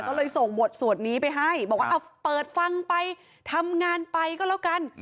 ก็เลยส่งบทสวดนี้ไปให้บอกว่าเอาเปิดฟังไปทำงานไปก็แล้วกัน